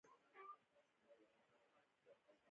وږم د ساه دی دبسترپه غیږکې اوس هم پروت دي